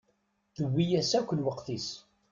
Tewwi-as akk lweqt-is.